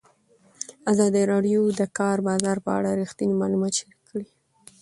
ازادي راډیو د د کار بازار په اړه رښتیني معلومات شریک کړي.